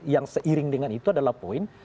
yang seiring dengan itu adalah poin